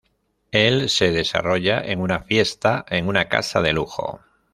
El se desarrolla en una fiesta en una casa de lujo.